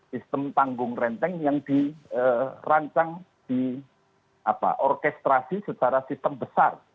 sistem tanggung renteng yang dirancang di orkestrasi secara sistem besar